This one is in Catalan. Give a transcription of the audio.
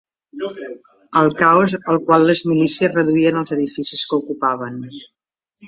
El caos al qual les milícies reduïen els edificis que ocupaven